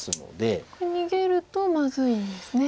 これ逃げるとまずいんですね。